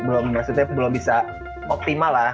belum maksudnya belum bisa optimal lah